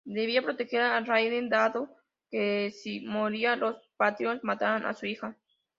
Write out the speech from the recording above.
Debía proteger a Raiden, dado que si moría los Patriots matarían a su hija.